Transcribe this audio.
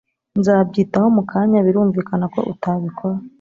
Nzabyitaho mu kanya.' Birumvikana ko utabikora!